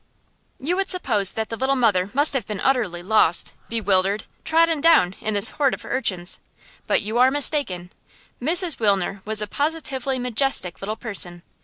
You would suppose that the little mother must have been utterly lost, bewildered, trodden down in this horde of urchins; but you are mistaken. Mrs. Wilner was a positively majestic little person.